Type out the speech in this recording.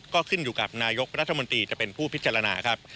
ก็ขึ้นอยู่กับนายกรัฐมนตรีจะเป็นผู้พิจารณาครับ